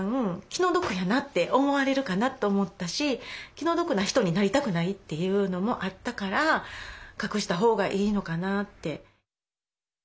気の毒やなって思われるかなと思ったし気の毒な人になりたくないっていうのもあったから隠した方がいいのかなって。